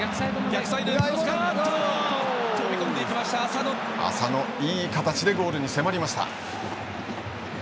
浅野、いい形でゴールに迫りました。